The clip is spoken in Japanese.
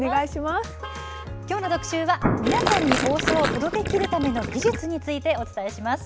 きょうの特集は皆さんに放送を届けきるための技術についてお伝えします。